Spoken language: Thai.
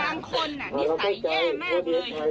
บางคนนิสัยแย่มากเลย